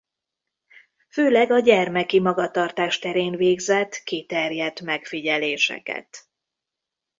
Főleg a gyermeki magatartás terén végzett kiterjedt megfigyeléseket.